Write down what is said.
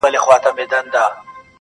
ما یې تنې ته زلمۍ ویني اوبه خور ورکاوه-